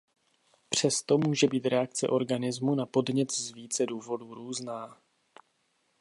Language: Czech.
Přesto může být reakce organismu na podnět z více důvodů různá.